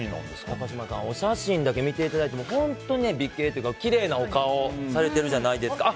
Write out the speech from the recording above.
高嶋さん、お写真だけ見ても本当に美形というかきれいなお顔をされてるじゃないですか。